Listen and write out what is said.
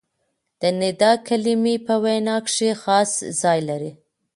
د ندا کلیمې په وینا کښي خاص ځای لري.